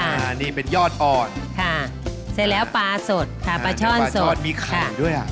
อันนี้เป็นยอดอ่อนค่ะเสร็จแล้วปลาสดค่ะปลาช่อนสดมีไข่ด้วยอ่ะ